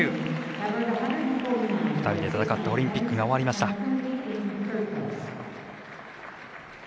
２人で戦ったオリンピックが終わりました。